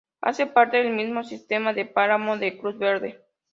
Hace parte del mismo sistema del páramo de Cruz Verde.